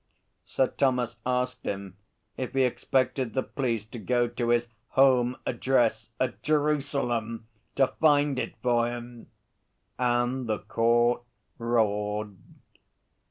Sir Thomas asked him if he expected the police to go to his home address at Jerusalem to find it for him; and the court roared.